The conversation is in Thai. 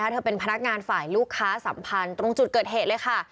เธอเป็นพนักงานฝ่ายลูกค้าสัมพันธ์ตรงจุดเกิดเหตุเลยค่ะ